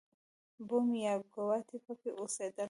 بوم یا ګواټي پکې اوسېدل.